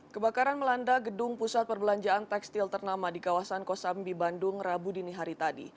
kebakaran melanda gedung pusat perbelanjaan tekstil ternama di kawasan kosambi bandung rabu dini hari tadi